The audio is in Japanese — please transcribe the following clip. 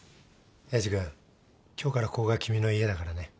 エイジ君今日からここが君の家だからね